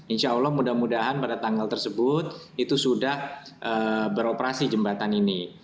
insya allah mudah mudahan pada tanggal tersebut itu sudah beroperasi jembatan ini